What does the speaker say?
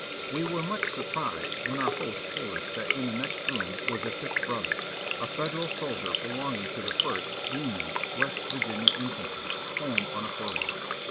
We were much surprised when our host told us that in the next room was a sick brother, a Federal soldier be longing to the First (Union) West Virginia Infantry, home on a furlough.